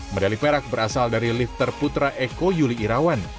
medali perak berasal dari lifter putra eko yuli irawan